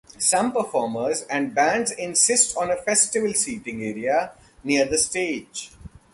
Some performers and bands insist on a festival seating area near the stage.